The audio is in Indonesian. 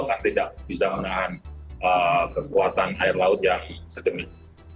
karena tidak bisa menahan kekuatan air laut yang sedemik